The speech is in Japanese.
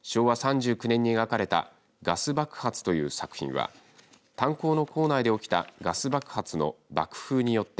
このうちは３９年に描かれたガス爆発という作品は炭坑の坑内で起きたガス爆発の爆風によって